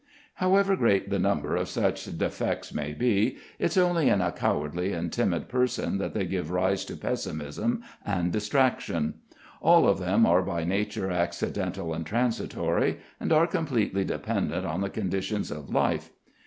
However great the number of such defects may be, it's only in a cowardly and timid person that they give rise to pessimism and distraction. All of them are by nature accidental and transitory, and are completely dependent on the conditions of life.